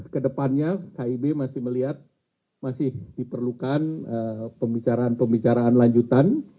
kedepannya kib masih melihat masih diperlukan pembicaraan pembicaraan lanjutan